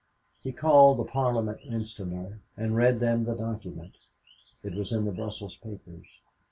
He called the parliament instanter and read them the document. It was in the Brussels papers.